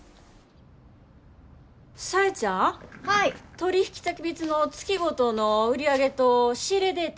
取引先別の月ごとの売り上げと仕入れデータ